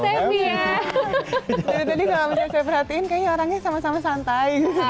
dari tadi kalau udah saya perhatiin kayaknya orangnya sama sama santai